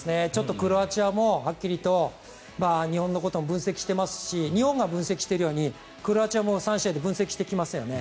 クロアチアもはっきりと日本のことを分析していますが日本が分析しているようにクロアチアも３試合で分析してきますよね。